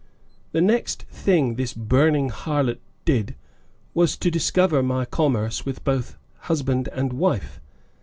The next thing this burning harlot did was to discover my commerce with both husband and wife.